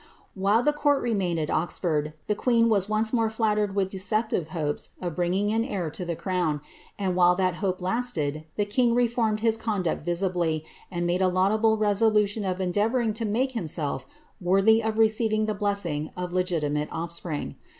While tlic court remained at Oxford, the queen was once more fist* lered with deceptive hopes of bringing an heir to the crown ; and, while that hope lasted, the king reformed his conduct visibly, and made a laudable resolution of endeavouring to make himself worthy of receiving the blessing of legitimate offspring.